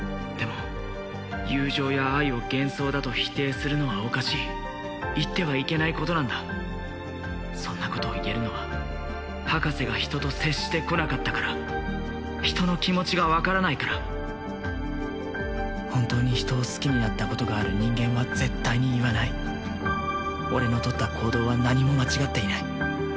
でも友情や愛を幻想だと否定するのはおかしい言ってはいけないことなんだそんなことを言えるのは博士が人と接してこなかったから人の気持ちが分からないから本当に人を好きになったことがある人間は絶対に言わない俺の取った行動は何も間違っていない